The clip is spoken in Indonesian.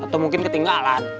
atau mungkin ketinggalan